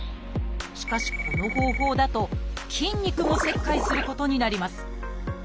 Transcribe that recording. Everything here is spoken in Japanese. しかしこの方法だと筋肉も切開することになります。